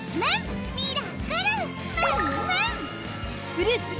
フルーツ！